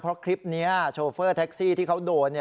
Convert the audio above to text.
เพราะคลิปนี้โชเฟอร์แท็กซี่ที่เขาโดน